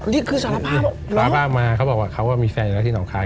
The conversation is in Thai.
นี่คือสารภาพสารภาพมาเขาบอกว่าเขาก็มีแฟนอยู่แล้วที่หนองคาย